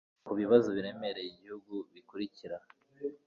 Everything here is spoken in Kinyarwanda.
ku bibazo biremereye igihugu bikurikira